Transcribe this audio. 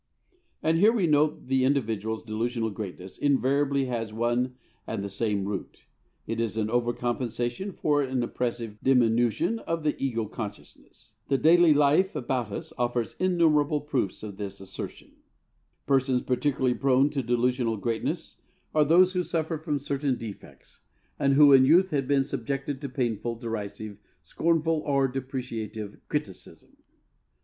And here we note that the individual's delusional greatness invariably has one and the same root: it is an over compensation for an oppressive diminution of the ego consciousness. The daily life about us offers innumerable proofs of this assertion. Persons particularly prone to delusional greatness are those who suffer from certain defects and who in youth had been subjected to painful, derisive, scornful, or depreciative criticism.